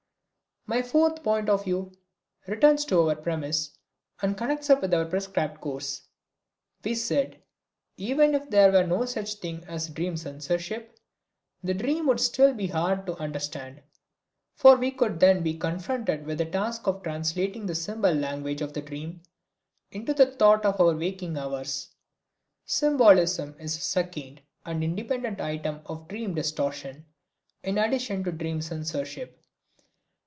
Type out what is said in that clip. My fourth point of view returns to our premise and connects up with our prescribed course. We said, even if there were no such thing as dream censorship, the dream would still be hard to understand, for we would then be confronted with the task of translating the symbol language of the dream into the thought of our waking hours. Symbolism is a second and independent item of dream distortion, in addition to dream censorship.